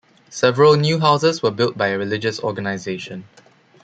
Several new houses were built by a religious organization.